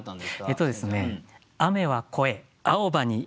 えっとですね